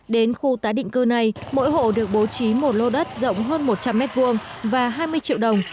đến khu tái định cư này mỗi hộ được bố trí một lô đất rộng hơn một trăm linh m hai và hai mươi triệu đồng